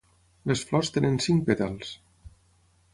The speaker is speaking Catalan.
Les flors tenen cinc pètals.